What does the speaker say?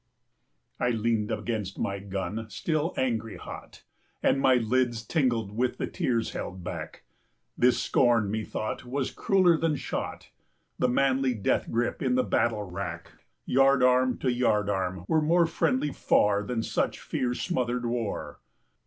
I leaned against my gun still angry hot, And my lids tingled with the tears held back; 20 This scorn methought was crueller than shot: The manly death grip in the battle wrack, Yard arm to yard arm, were more friendly far Than such fear smothered war.